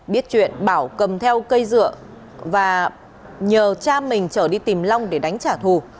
biết chuyện bảo cầm theo cây dựa và nhờ cha mình trở đi tìm long để đánh trả thù